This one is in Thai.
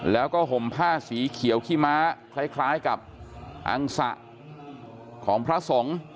แล้วก็ห่มผ้าสีเขียวขี้ม้าคล้ายกับอังสะของพระสงฆ์